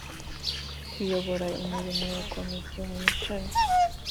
kuyobora imirimo ya komite mu ishami